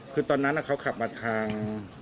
คือตอนนั้นเขาขับมาทาง